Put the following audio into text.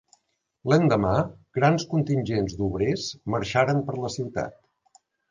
L'endemà, grans contingents d'obrers marxaren per la ciutat.